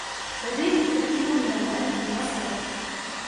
لديه الكثير من المال في المصرف.